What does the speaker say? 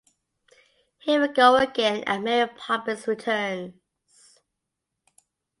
Here We Go Again and Mary Poppins Returns.